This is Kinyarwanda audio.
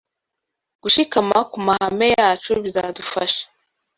Gushikama ku Mahame Yacu bizadufasha